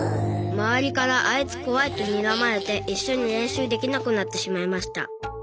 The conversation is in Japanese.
周りからあいつ怖いとにらまれて一緒に練習できなくなってしまいました。